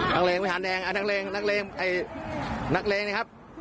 นักเลงไม่หันแดงนักเลงนักเลงนี่ครับ